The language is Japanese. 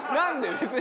別に。